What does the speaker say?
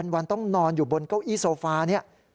วันต้องนอนอยู่บนเก้าอี้โซฟาเนี่ย